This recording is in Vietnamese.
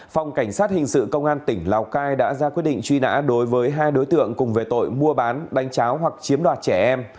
phòng cảnh sát hình sự công an tỉnh lào cai đã ra quyết định truy nã đối với hai đối tượng cùng về tội mua bán đánh cháo hoặc chiếm đoạt trẻ em